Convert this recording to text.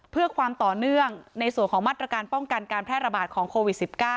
เพื่อความต่อเนื่องในส่วนของมาตรการป้องกันการแพร่ระบาดของโควิด๑๙